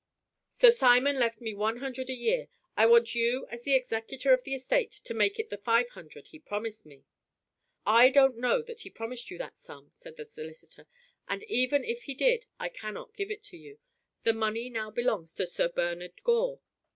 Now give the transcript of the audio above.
Sir Simon left me one hundred a year. I want you as the executor of the estate to make it the five hundred he promised me." "I don't know that he promised you that sum," said the solicitor, "and even if he did I cannot give it to you. The money now belongs to Sir Bernard Gore."